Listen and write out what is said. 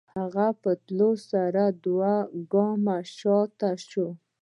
هغه په تلوار سره دوه گامه شاته سوه.